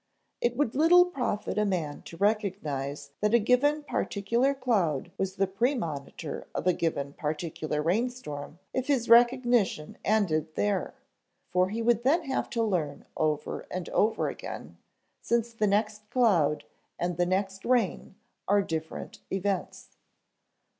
It would little profit a man to recognize that a given particular cloud was the premonitor of a given particular rainstorm if his recognition ended there, for he would then have to learn over and over again, since the next cloud and the next rain are different events.